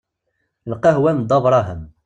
Lqahwa n Dda Brahem.